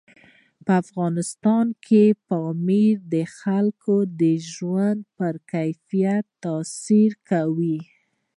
په افغانستان کې پامیر د خلکو د ژوند په کیفیت تاثیر کوي.